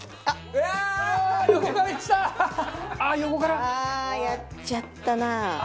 ああーやっちゃったな。